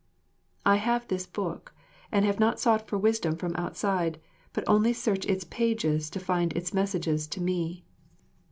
I have this book, and have not sought for wisdom from outside, but only search its pages to find its messages to me.